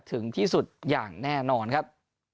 ถึงที่สุดอย่างแน่นอนครับ